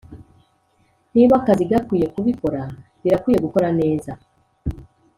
niba akazi gakwiye kubikora birakwiye gukora neza